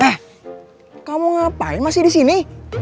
eh kamu ngapain masih di sini